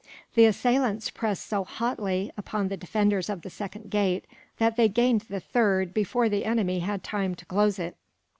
The assailants pressed so hotly, upon the defenders of the second gate, that they gained the third before the enemy had time to close it.